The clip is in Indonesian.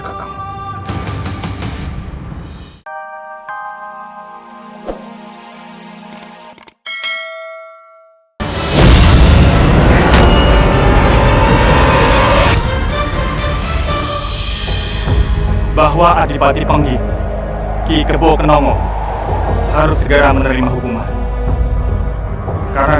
ke belakang bahwa adipati panggi ki kebo kenongo harus segera menerima hukuman karena